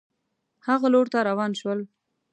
هغه لور ته روان شول.